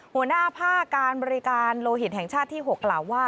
หัวหน้าภาคการบริการโลหิตแห่งชาติที่๖กล่าวว่า